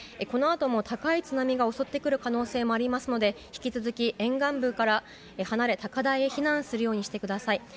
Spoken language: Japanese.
このあとも高い津波が可能性もありますので引き続き沿岸部から離れ高台へ避難するようにしてください。